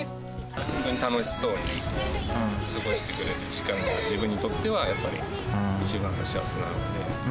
楽しそうに過ごしてくれる時間が、自分にとってはやっぱり一番の幸せなので。